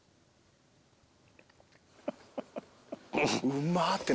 うま！って。